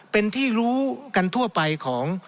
เป็นที่รู้กันทั่วไปของ